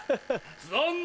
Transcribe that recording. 残念。